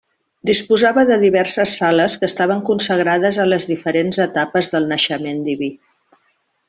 Disposava de diverses sales que estaven consagrades a les diferents etapes del naixement diví.